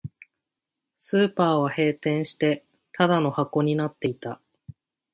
スーパーは閉店して、ただの箱になっていた